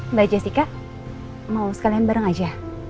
mbak jessica mau sekalian bareng aja